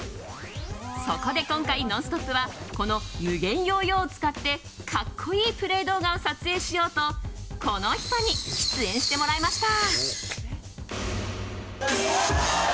そこで今回「ノンストップ！」はこのＭＵＧＥＮＹＯＹＯを使って格好いいプレー動画を撮影しようとこの人に出演してもらいました。